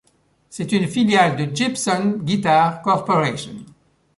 C'est une filiale de Gibson Guitar Corporation.